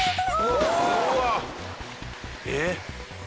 えっ。